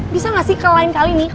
bisa nggak sih ke line kali nih